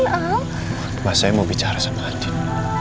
maaf pak saya mau bicara sama andin